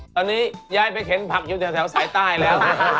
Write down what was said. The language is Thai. ตอนนี้ยายไปเข็นผักอยู่แถวสายใต้แล้ว